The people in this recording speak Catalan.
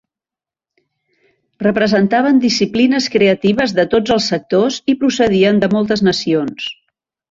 Representaven disciplines creatives de tots els sectors i procedien de moltes nacions.